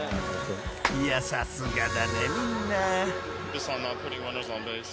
［いやさすがだねみんな］